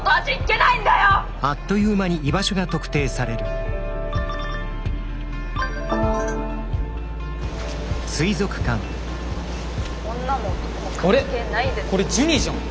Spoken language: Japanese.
あれこれジュニじゃん。